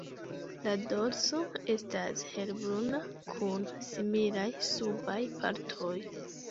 La dorso estas helbruna kun similaj subaj partoj.